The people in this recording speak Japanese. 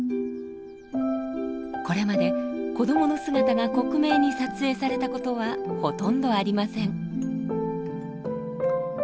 これまで子どもの姿が克明に撮影されたことはほとんどありません。